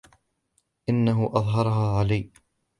إنهُ اظهرها علي.